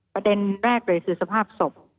ประเด็นแรกเลยคือสภาพศพ